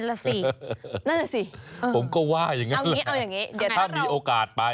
เดี๋ยวถ้ามีโอกาสไป